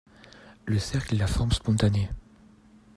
Le cercle est la forme spontanée.